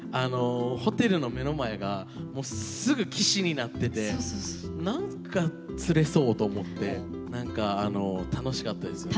ホテルの目の前がすぐ岸になってて何か釣れそうと思って何かあの楽しかったですね。